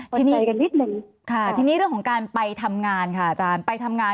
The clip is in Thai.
แล้วค่อยเห็นตัวอย่างในบางประเทศว่า